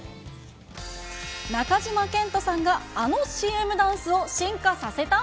中島健人さんがあのＣＭダンスを進化させた？